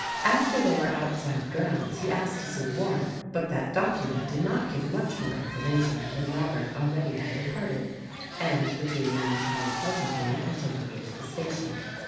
After they were outside the grounds he asked to see the warrant; but that document did not give much more infor mation than Robert already had imparted andi the three men chatted pleasantly until they reached the station.